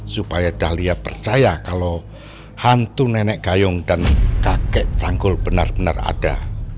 supaya dahlia percaya kalau hantu nenek gayung dan kakek canggul benar benar ada